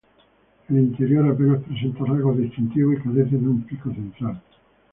El interior apenas presenta rasgos distintivos, y carece de un pico central.